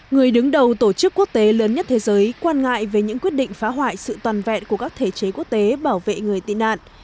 người đứng đầu tổ chức quốc tế lớn nhất thế giới quan ngại về những quyết định phá hoại sự toàn vẹn của các thể chế quốc tế bảo vệ người tị nạn